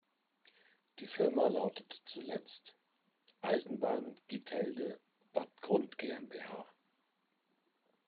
Die Firma lautete zuletzt "Eisenbahn Gittelde-Bad Grund GmbH".